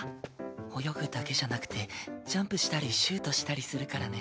泳ぐだけじゃなくてジャンプしたりシュートしたりするからね。